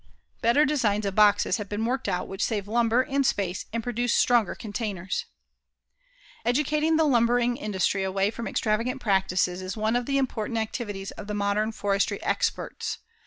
Better designs of boxes have been worked out which save lumber and space and produce stronger containers. Educating the lumbering industry away from extravagant practices is one of the important activities of the modern forestry experts.